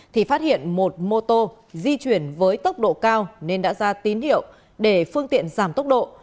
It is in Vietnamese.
thì phát hiện một mô tô di chuyển với tốc độ cao nên đã ra tín hiệu để phương tiện giảm tốc độ